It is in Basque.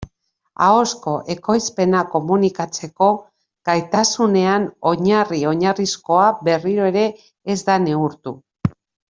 Ahozko ekoizpena, komunikatzeko gaitasunean oinarri-oinarrizkoa, berriro ere ez da neurtu.